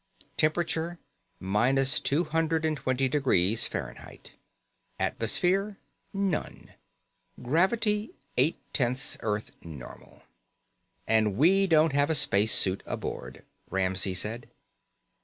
Temperature: minus two hundred and twenty degrees Fahrenheit. Atmosphere: none. Gravity: eight tenths Earth norm. "And we don't have a spacesuit aboard," Ramsey said.